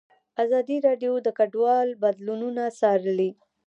ازادي راډیو د کډوال بدلونونه څارلي.